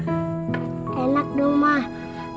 kemarin mita kemana aja sama papa